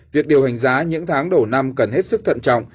việc điều hành giá những tháng đầu năm cần hết sức thận trọng